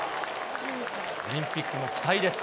オリンピックも期待です。